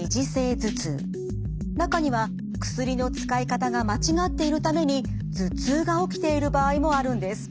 中には薬の使い方が間違っているために頭痛が起きている場合もあるんです。